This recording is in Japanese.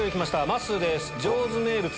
まっすーです。